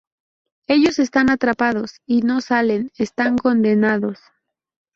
Ellos están atrapados y no salen, están condenados.